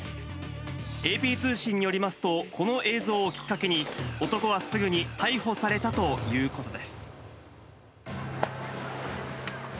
ＡＰ通信によりますと、この映像をきっかけに、男はすぐに逮捕されたということです。